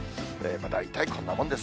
大体、こんなもんです。